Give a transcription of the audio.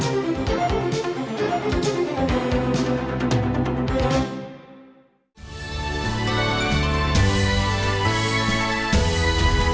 hẹn gặp lại